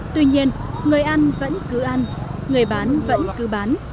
tuy nhiên người ăn vẫn cứ ăn người bán vẫn cứ bán